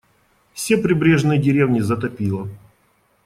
Все прибрежные деревни затопило.